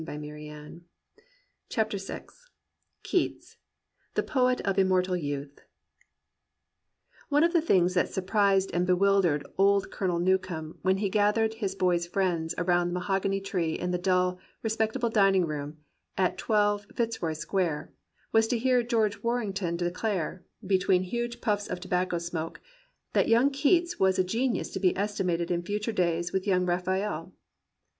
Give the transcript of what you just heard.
163 THE POET OF IMMORTAL YOUTH THE POET OF IMMORTAL YOUTH One of the things that surprized and bewildered old Colonel Newcome when he gathered his boy's friends around the mahogany tree in the dull, re spectable dining room at 12 Fitzroy Square, was to hear George Warrington declare, between huge puffs of tobacco smoke, "that young Keats was a genius to be estimated in future days with young Raphael."